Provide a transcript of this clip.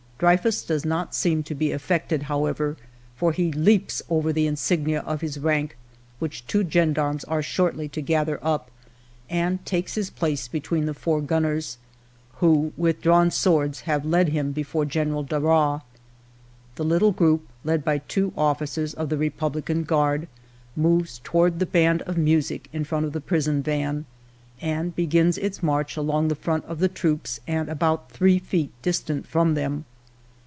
Dreyfus does not seem to be affected, however, for he leaps over the in signia of his rank, which two gendarmes are shortly to gather up, and takes his place between the four gunners, who, with drawn swords, have led him before General Darras. " The little group, led by two officers of the Republi can Guard, moves toward the band of music in front of the prison van and begins its march along the front of the troops and about three feet distant from them.